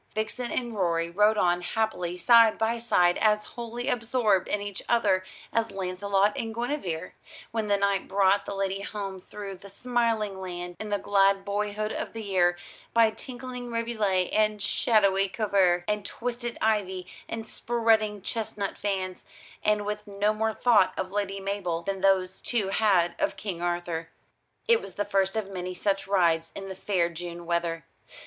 Vixen and Rorie rode on happily side by side, as wholly absorbed in each other as Launcelot and Guinevere when the knight brought the lady home through the smiling land, in the glad boyhood of the year, by tinkling rivulet and shadowy covert, and twisted ivy and spreading chestnut fans and with no more thought of Lady Mabel than those two had of King Arthur. It was the first of many such rides in the fair June weather.